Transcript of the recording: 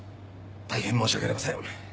大変申し訳ありません。